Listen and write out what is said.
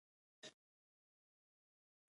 د نجلۍ سر له ځمکې يوه لوېشت پورته پاتې شو.